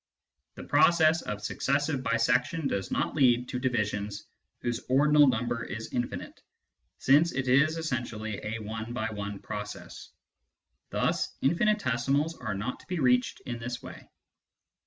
The process of successive bisection does not lead to divisions whose ordinal number is infinite, since it is essentially a one by one process. Thus infinitesimals are not to be reached in this way.